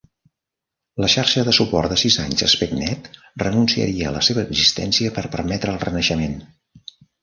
La xarxa de suport de sis anys AspectNet, renunciaria a la seva existència per permetre el renaixement.